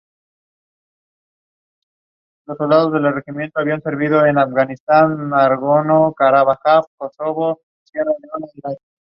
Dispone de un foso circular seco, ventanas cuadradas y matacanes y aspilleras.